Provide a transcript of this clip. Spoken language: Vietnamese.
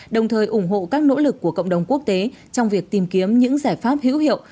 đồng thời ủng hộ các nỗ lực của cộng đồng quốc tế trong việc tìm kiếm những giải pháp hữu hiệu